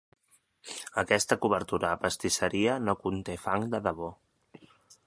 Aquesta cobertura de pastisseria no conté fang de debò.